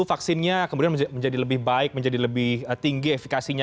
vaksinnya kemudian menjadi lebih baik menjadi lebih tinggi efekasinya